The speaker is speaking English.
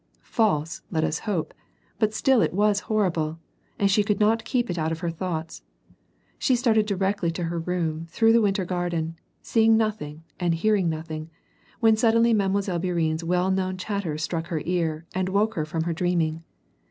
False, let us hope, but still it was horrible, and she could not keep it out of her thoughts. She started directly to her room through the winter garden, seeing nothing and hearing nothing, when suddenly Mile. Bourienne's well known chatter struck her ear and woke her from her dreaming.